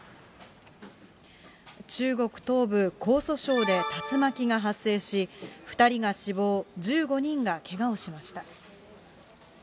中国東部、江蘇省で、竜巻が発生し、２人が死亡、１５人がけがをしました。